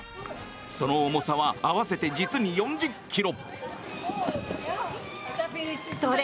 その重さは合わせて実に４０ｋｇ。